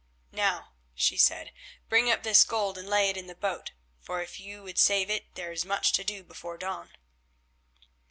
"Now," she said, "bring up this gold and lay it in the boat, for if you would save it there is much to do before dawn."